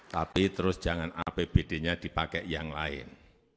tapi terus jangan apbd nya dipakai yang lain